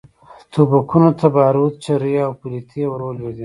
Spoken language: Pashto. ټوپکونو ته باروت، چرې او پلتې ور ولوېدې.